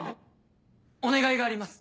お願いがあります。